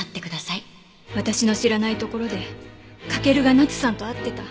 私の知らないところで翔が奈津さんと会ってた。